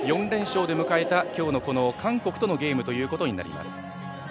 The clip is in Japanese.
４連勝で迎えた今日のこの韓国とのゲームということになります。